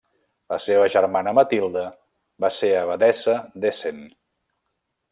La seva germana Matilde va ser abadessa d'Essen.